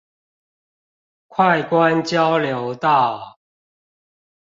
快官交流道